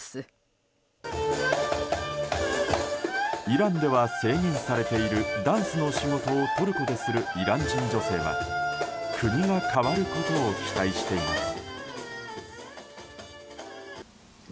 イランでは制限されているダンスの仕事をトルコでするイラン人女性は国が変わることを期待しています。